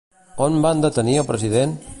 On van detenir el president?